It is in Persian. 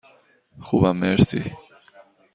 خوبم، مرسی.